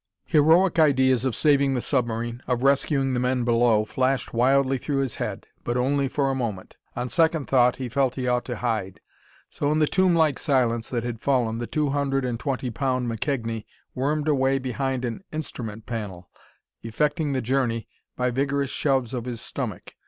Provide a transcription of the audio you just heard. Heroic ideas of saving the submarine, of rescuing the men below, flashed wildly through his head. But only for a moment. On second thought, he felt he ought to hide. So, in the tomblike silence that had fallen, the two hundred and twenty pound McKegnie wormed a way behind an instrument panel, effecting the journey by vigorous shoves of his stomach.